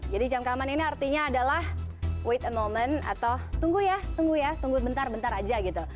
jadi camkaman ini artinya adalah wait a moment atau tunggu ya tunggu ya tunggu bentar bentar aja gitu